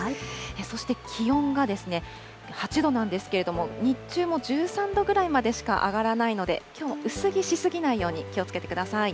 そして気温が８度なんですけれども、日中も１３度ぐらいまでしか上がらないので、きょう、薄着し過ぎないように気をつけてください。